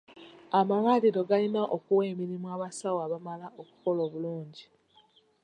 Amalwaliro galina okuwa emirimu abasawo abamala okukola obulungi.